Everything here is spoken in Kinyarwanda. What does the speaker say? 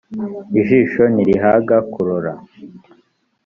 ijisho ntirihaga kurora